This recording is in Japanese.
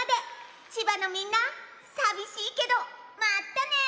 千葉のみんなさびしいけどまったね！